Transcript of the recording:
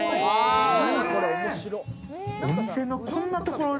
お店のこんなところで。